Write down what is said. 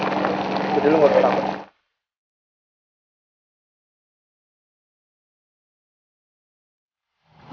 gue takut berapa yang ada di geli gue buat kamu nih